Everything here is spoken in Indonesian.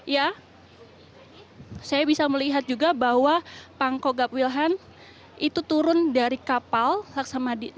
ya saya bisa melihat juga bahwa pangkogap wilhan itu turun dari kapal laksamadinand